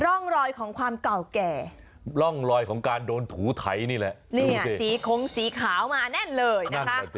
ร่องรอยของความเก่าแก่ร่องรอยของการโดนถูไถนี่แหละนี่สีคงสีขาวมาแน่นเลยนะคะ